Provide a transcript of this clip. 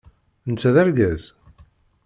Netta d argaz?